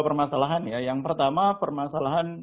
permasalahan ya yang pertama permasalahan